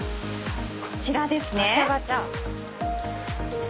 こちらですね。